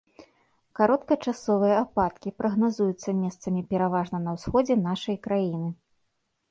Кароткачасовыя ападкі прагназуюцца месцамі пераважна на ўсходзе нашай краіны.